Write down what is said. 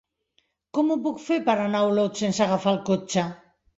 Com ho puc fer per anar a Olot sense agafar el cotxe?